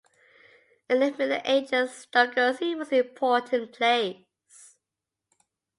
In the Middle Ages Stogursey was an important place.